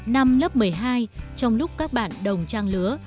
năm lớp một mươi hai trong lúc các bạn đồng trang lứa